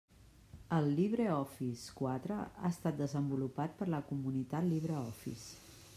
El LibreOffice quatre ha estat desenvolupat per la comunitat LibreOffice.